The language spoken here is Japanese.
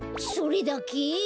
それだけ？